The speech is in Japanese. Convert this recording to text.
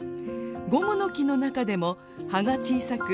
ゴムノキの中でも葉が小さく